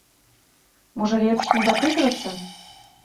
Можа, лепш не дапытвацца?